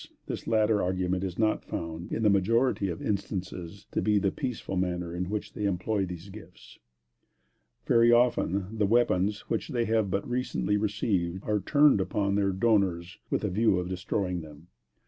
this latter argument is not found, in the majority of instances, to be the peaceful manner in which they employ these gifts. Very often the weapons which they have but recently received, are turned upon their donors with a view of destroying them.